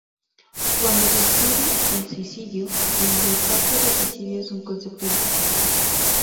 Cuando se estudia el suicidio, el del pacto de suicidio es un concepto importante.